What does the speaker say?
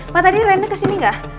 ma tadi reina kesini gak